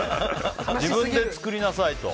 自分で作りなさいと。